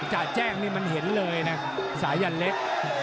จะแจ้งนี่มันเห็นเลยนะสายันเล็ก